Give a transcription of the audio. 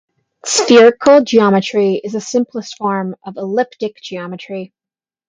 Spherical geometry is the simplest form of elliptic geometry.